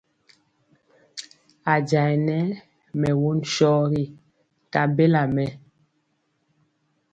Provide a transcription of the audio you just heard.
A jayɛ nɛ mɛ won sɔgi nta bela mɛ.